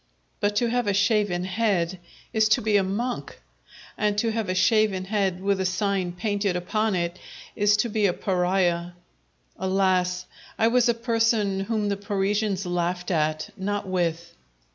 But to have a shaven head is to be a monk! And to have a shaven head with a sign painted upon it is to be a pariah. Alas! I was a person whom the Parisians laughed at, not with!